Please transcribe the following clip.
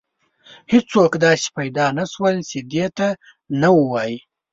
هیڅوک داسې پیدا نه شول چې دې ته نه ووایي.